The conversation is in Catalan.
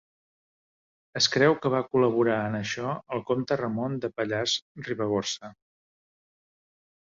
Es creu que va col·laborar en això el comte Ramon de Pallars-Ribagorça.